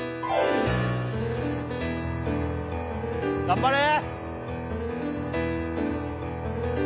頑張れ！